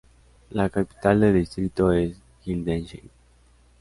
La capital del distrito es Hildesheim.